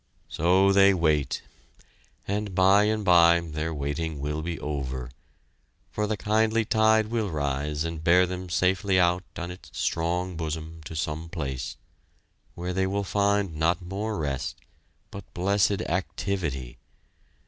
So they wait and by and by their waiting will be over, for the kindly tide will rise and bear them safely out on its strong bosom to some place where they will find not more rest but blessed activity!